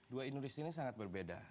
dua indonesia ini sangat berbeda